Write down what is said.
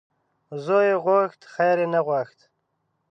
زوی یې غوښت خیر یې نه غوښت .